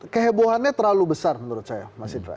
kehebohannya terlalu besar menurut saya mas indra